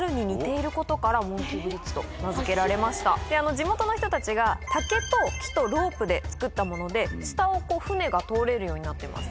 地元の人たちが竹と木とロープでつくったもので下を船が通れるようになってます。